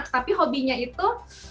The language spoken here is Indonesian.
tapi hobinya itu bisa ditentukan